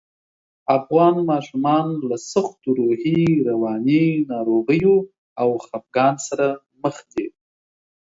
افغان ماشومان له سختو روحي، رواني ناروغیو او خپګان سره مخ دي